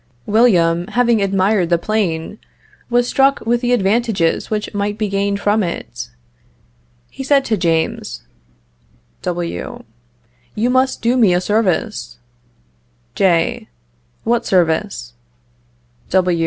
William having admired the plane, was struck with the advantages which might be gained from it. He said to James: W. You must do me a service. J. What service?